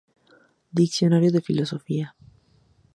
Diccionario de Filosofía.